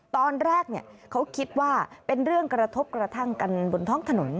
ตอนแรกเขาคิดว่าเป็นเรื่องกระทบกระทั่งกันบนท้องถนน